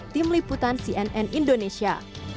tim liputan cnn indonesia